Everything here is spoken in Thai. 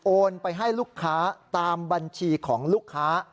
ไปให้ลูกค้าตามบัญชีของลูกค้า